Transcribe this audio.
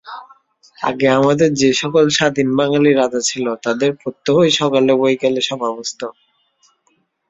আগে আমাদের যে-সকল স্বাধীন বাঙালী রাজা ছিল, তাদের প্রত্যহই সকালে বৈকালে সভা বসত।